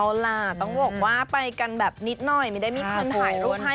เอาล่ะต้องบอกว่าไปกันแบบนิดหน่อยไม่ได้มีคนถ่ายรูปให้